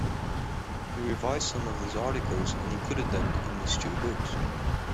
He revised some of those articles and included them in his two books.